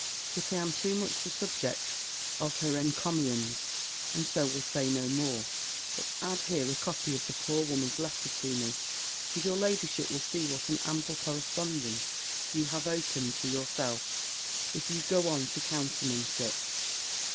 Yet I am too much the subject of her encomiums, and so will say no more; but add here a copy of the poor woman's letter to me; and your ladyship will see what an ample correspondence you have opened to yourself, if you go on to countenance it.